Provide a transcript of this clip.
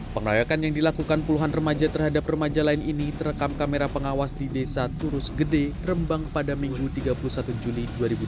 pengelayakan yang dilakukan puluhan remaja terhadap remaja lain ini terekam kamera pengawas di desa turus gede rembang pada minggu tiga puluh satu juli dua ribu dua puluh